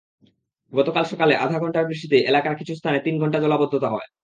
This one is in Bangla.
গতকাল সকালে আধা ঘণ্টার বৃষ্টিতেই এলাকার কিছু স্থানে তিন ঘণ্টা জলাবদ্ধতা হয়।